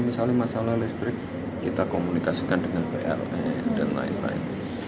misalnya masalah listrik kita komunikasikan dengan pln dan lain lain